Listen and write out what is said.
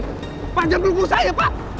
pak jangan peluk peluk saya pak